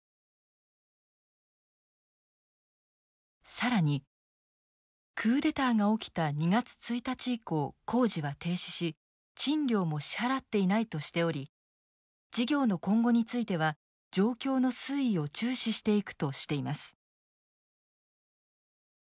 更に「クーデターが起きた２月１日以降工事は停止し賃料も支払っていない」としており「事業の今後については状況の推移を注視していく」としています。